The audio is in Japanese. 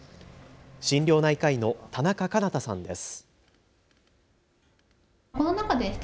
心療内科医の田中奏多さんです。